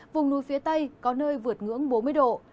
vùng núi phía tây có nơi vượt ngưỡng bốn mươi độ